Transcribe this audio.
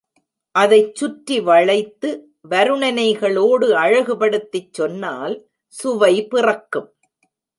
அதைச் சுற்றி வளைத்து வருணனைகளோடு அழகுபடுத்திச் சொன்னால் சுவை பிறக்கும்.